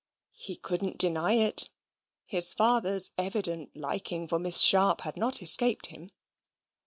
He couldn't deny it. His father's evident liking for Miss Sharp had not escaped him.